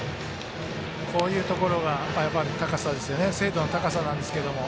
こういうところが精度の高さなんですが。